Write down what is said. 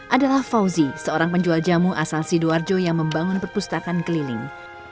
adalah fauzi seorang penjual jamu asal sidoarjo yang membangun perpustakaan keliling